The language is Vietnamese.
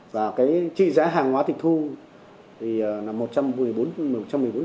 và cái trị giá hàng hóa thịt thu thì là một trăm một mươi bốn triệu